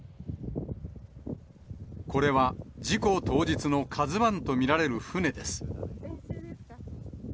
これは事故当日のカズワンと見られる船です。